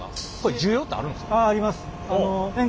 需要ってあるんですか？